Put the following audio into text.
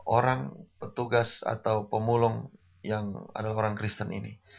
orang petugas atau pemulung yang adalah orang kristen ini